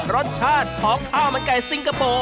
รสชาติของข้าวมันไก่ซิงคโปร์